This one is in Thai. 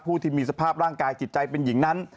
ผู้ที่มีสภาพร่างกายจิตใจเป็นหญิงนั้น